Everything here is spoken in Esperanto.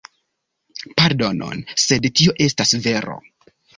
Pardonon, sed tio estas vero.